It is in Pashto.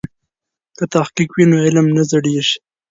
که تحقیق وي نو علم نه زړیږي.